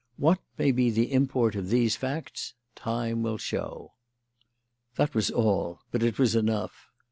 What may be the import of these facts time will show." That was all; but it was enough.